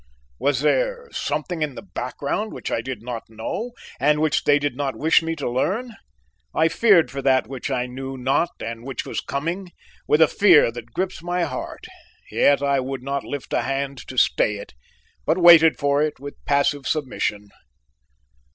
Was there something in the background which I did not know and which they did not wish me to learn? I feared for that which I knew not and which was coming with a fear that gripped my heart, yet I would not lift a hand to stay it, but waited for it with passive submission.